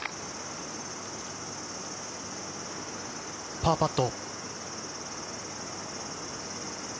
パーパット。